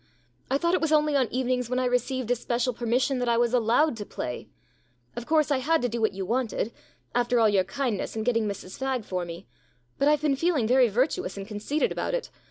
I thought it was only on evenings when I received a special permission that I was allowed to play. Of course, I had to do what you wanted after all your kindness in getting Mrs Fagg for me; but I've been feeling very virtuous and conceited about it.